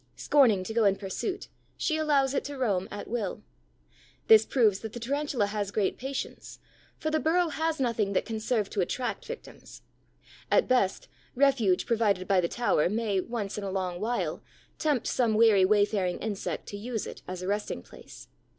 Scorning to go in pursuit, she allows it to roam at will. This proves that the Tarantula has great patience, for the burrow has nothing that can serve to attract victims. At best, refuge provided by the tower may, once in a long while, tempt some weary wayfaring insect to use it as a resting place.